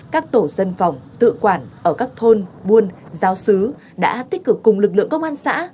các tổ dân phòng tự quản ở các thôn buôn giáo sứ đã tích cực cùng lực lượng công an xã